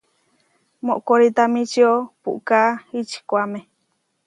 Mokoritamíčio puʼká ikčikuáme.